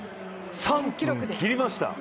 ３分切りました。